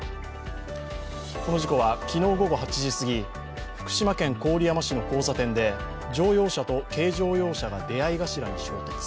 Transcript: この事故は昨日午後８時過ぎ福島県郡山市の交差点で乗用車と軽乗用車が出会い頭に衝突。